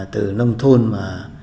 từ nông thôn mà